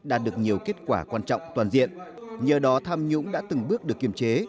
đạt được nhiều kết quả quan trọng toàn diện nhờ đó tham nhũng đã từng bước được kiềm chế